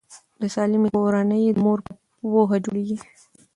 د سالمې کورنۍ د مور په پوهه جوړیږي.